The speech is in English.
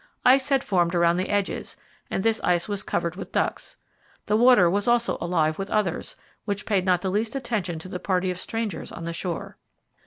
Ice had formed around the edges, and this ice was covered with ducks. The water was also alive with others, which paid not the least attention to the party of strangers on the shore.